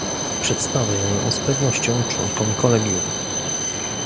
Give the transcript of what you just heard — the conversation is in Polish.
Przedstawię ją z pewnością członkom kolegium